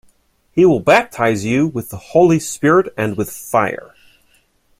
He will baptize you with the Holy Spirit and with fire.